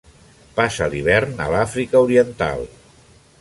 Passa l'hivern a l'Àfrica Oriental.